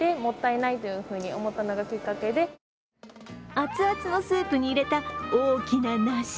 熱々のスープに入れた大きな梨。